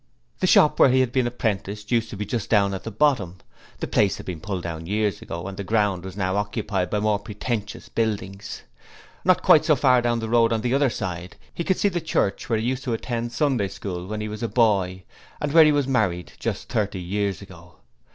The shop where he had been apprenticed used to be just down at the bottom; the place had been pulled down years ago, and the ground was now occupied by more pretentious buildings. Not quite so far down the road on the other side he could see the church where he used to attend Sunday School when he was a boy, and where he was married just thirty years ago.